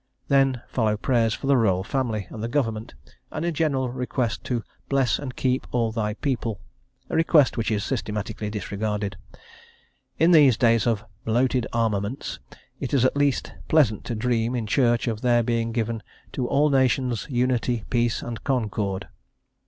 Then follow prayers for the Royal Family and the Government, and a general request to "bless and keep all Thy people;" a request which is systematically disregarded. In these days of "bloated armaments" it is at least pleasant to dream in church of there being given "to all nations, unity, peace, and concord."